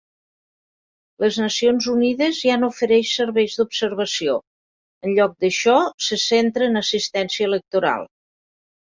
Les Nacions Unides ja no ofereix serveis d'observació. En lloc d'això, se centra en assistència electoral.